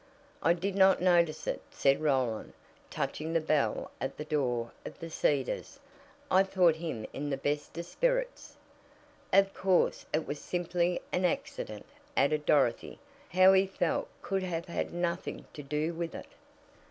"I did not notice it," said Roland, touching the bell at the door of The Cedars. "I thought him in the best of spirits." "Of course, it was simply an accident," added Dorothy. "How he felt could have had nothing to do with it."